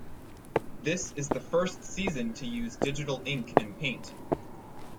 This is the first season to use digital ink and paint.